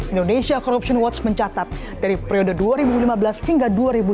indonesia corruption watch mencatat dari periode dua ribu lima belas hingga dua ribu dua puluh